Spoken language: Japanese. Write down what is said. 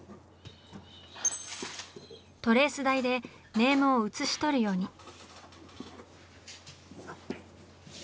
トレース台でネームを写し取るように。